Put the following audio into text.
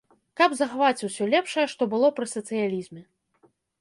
Каб захаваць усё лепшае, што было пры сацыялізме.